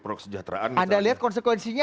prokesejahteraan anda lihat konsekuensinya